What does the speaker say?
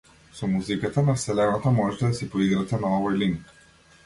Со музиката на вселената можете да си поиграте на овој линк.